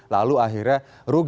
lalu akhirnya rugi